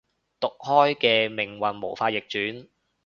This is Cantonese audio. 毒開嘅命運無法逆轉